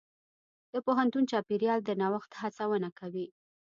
د پوهنتون چاپېریال د نوښت هڅونه کوي.